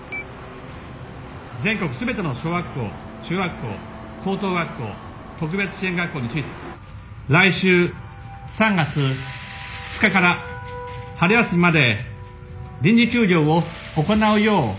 「全国全ての小学校中学校高等学校特別支援学校について来週３月２日から春休みまで臨時休業を行うよう要請します」。